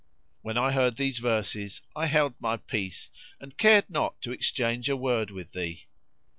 When I heard these verses I held my peace and cared not to exchange a word with thee."